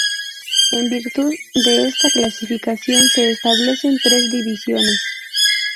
En virtud de esta clasificación se establecen tres divisiones.